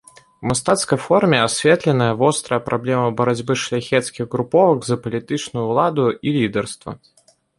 У мастацкай форме асветленая вострая праблема барацьбы шляхецкіх груповак за палітычную ўладу і лідарства.